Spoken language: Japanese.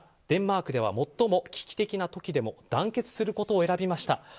デンマークではもっとも危機的な時でも団結することを選びました。